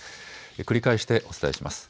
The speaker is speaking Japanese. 繰り返してお伝えします。